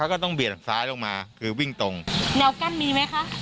แล้วก็ต้องเบียดซ้ายลงมาคือวิ่งตรงแนวกั้นมีไหมคะ